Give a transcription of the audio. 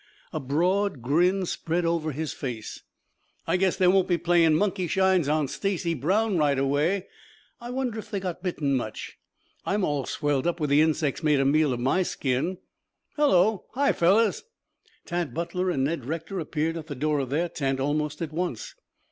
A broad grin spread over his face. "I guess they won't be playing monkeyshines on Stacy Brown right away. I wonder if they got bitten much? I'm all swelled up where the insects made a meal on my skin. Hullo! Hi, fellows!" Tad Butler and Ned Rector appeared at the door of their tent almost at once.